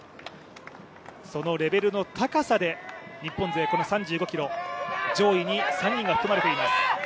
そのレベルの高さで日本勢この３５ｋｍ、上位に３人が含まれています。